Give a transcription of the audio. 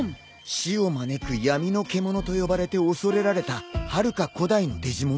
死を招く闇の獣と呼ばれて恐れられたはるか古代のデジモンだよ。